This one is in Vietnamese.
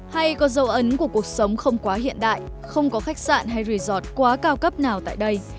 hay có dấu ấn của cuộc sống không quá hiện đại không có khách sạn hay resort quá cao cấp nào tại đây